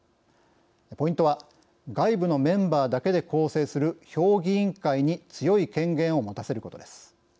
ポイントは外部のメンバーだけで構成する評議員会に強い権限を持たせることです。